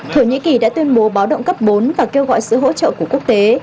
thổ nhĩ kỳ đã tuyên bố báo động cấp bốn và kêu gọi sự hỗ trợ của quốc tế